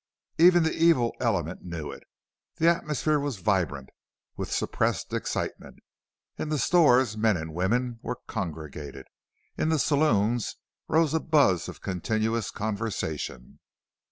Even the evil element knew it. The atmosphere was vibrant with suppressed excitement; in the stores men and women were congregated; in the saloons rose a buzz of continuous conversation.